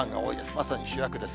まさに主役です。